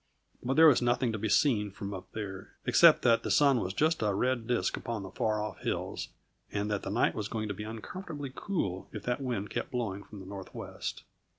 But there was nothing to be seen from up there, except that the sun was just a red disk upon the far off hills, and that the night was going to be uncomfortably cool if that wind kept blowing from the northwest.